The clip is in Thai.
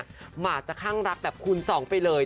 มันอาจจะคั่งรักแบบคุณสองไปเลย